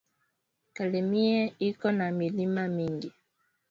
Kalemie iko na milima mingi